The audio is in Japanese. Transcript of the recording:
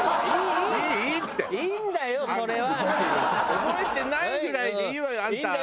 「覚えてないぐらいでいいわよ。